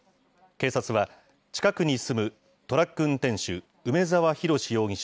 警察は、近くに住むトラック運転手、梅澤洋容疑者